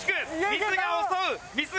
水が襲う！